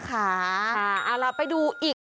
ค่ะเอาละไปดูอีก